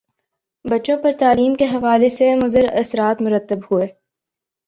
بچوں پر تعلیم کے حوالے سے مضراثرات مرتب ہوئے